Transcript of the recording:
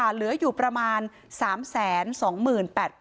ตำรวจบอกว่าภายในสัปดาห์เนี้ยจะรู้ผลของเครื่องจับเท็จนะคะ